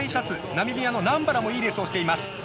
ナミビアのナンバラもいいレースをしています。